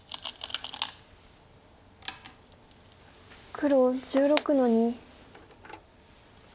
黒１６の二。